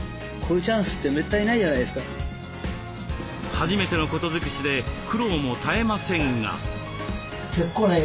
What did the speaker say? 初めてのことづくしで苦労も絶えませんが。